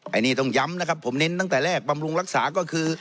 อันนี้ต้องย้ำนะครับผมเน้นตั้งแต่แรกบำรุงรักษาก็คือ